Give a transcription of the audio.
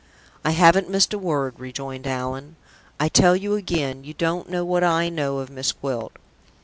"I haven't missed a word," rejoined Allan. "I tell you again, you don't know what I know of Miss Gwilt.